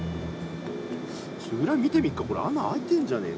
ちょっと裏見てみっかこれ穴開いてんじゃねえか？